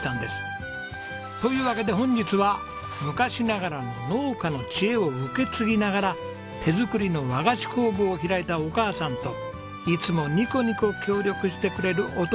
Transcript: というわけで本日は昔ながらの農家の知恵を受け継ぎながら手作りの和菓子工房を開いたお母さんといつもニコニコ協力してくれるお父さんのお話です。